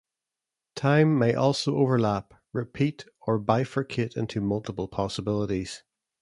Time may also overlap, repeat, or bifurcate into multiple possibilities.